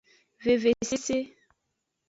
Vevesese.